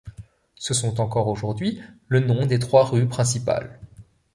Ce sont encore aujourd'hui le nom des trois rues principales.